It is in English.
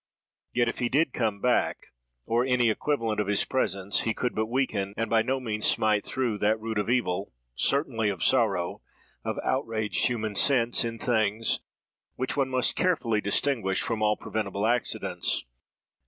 Yet if he did come back, or any equivalent of his presence, he could but weaken, and by no means smite through, that root of evil, certainly of sorrow, of outraged human sense, in things, which one must carefully distinguish from all preventible accidents.